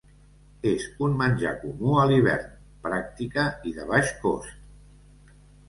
És un menjar comú a l'hivern, pràctica i de baix cost.